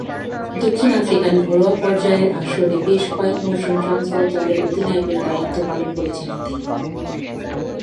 দক্ষিণ আফ্রিকান ঘরোয়া পর্যায়ের আসরে বেশ কয়েক মৌসুম ট্রান্সভাল দলের অধিনায়কের দায়িত্ব পালন করেছিলেন তিনি।